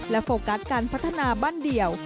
โฟกัสการพัฒนาบ้านเดี่ยว